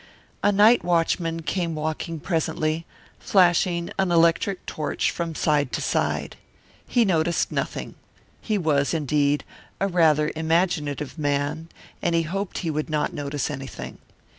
A night watchman came walking presently, flashing an electric torch from side to side. He noticed nothing. He was, indeed, a rather imaginative man, and he hoped he would not notice anything.